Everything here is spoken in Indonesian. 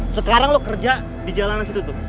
sekarang lo kerja di jalanan situ tuh